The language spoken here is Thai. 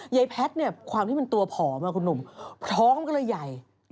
ยายแพทย์เนี่ยความที่มันตัวผอมคุณหนุ่มพร้อมก็เลยใหญ่